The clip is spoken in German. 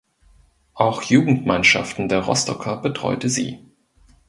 Auch Jugendmannschaften der Rostocker betreute sie.